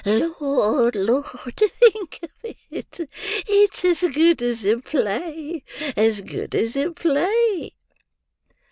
Lord, Lord!—to think of it; it's as good as a play—as good as a play!"